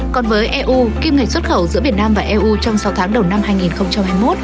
còn với eu kim ngạch xuất khẩu giữa việt nam và eu trong sáu tháng đầu năm hai nghìn hai mươi một